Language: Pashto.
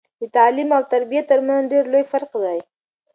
د تعليم او تربيه ترمنځ ډير لوي فرق دی